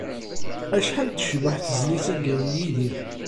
Acḥal tecbeḥ tezlit-agi n Yidir!